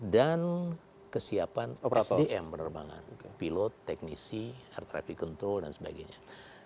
dan kesiapan sdm penerbangan pilot teknisi air traffic control dan sebagainya